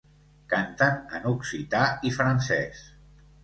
Canten en occità i francès.